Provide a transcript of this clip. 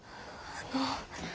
あの！